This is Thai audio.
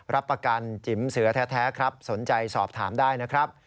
รับประกันจิ๋มเสือแท้ครับสนใจสอบถามได้นะครับ